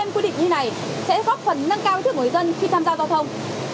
quy định như này sẽ góp phần nâng cao ý thức người dân khi tham gia giao thông